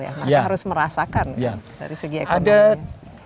maka harus merasakan dari segi ekonomi